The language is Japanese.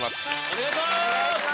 お願いします